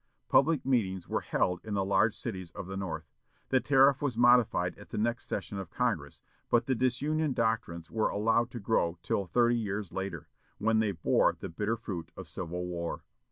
Public meetings were held in the large cities of the North. The tariff was modified at the next session of Congress, but the disunion doctrines were allowed to grow till thirty years later, when they bore the bitter fruit of civil war.